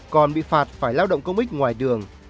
còn bị phạt phải lao động công ích ngoài đường